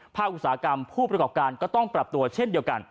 อุตสาหกรรมผู้ประกอบการก็ต้องปรับตัวเช่นเดียวกัน